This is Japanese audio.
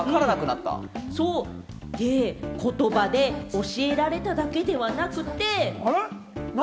で、言葉で教えられただけではなくて。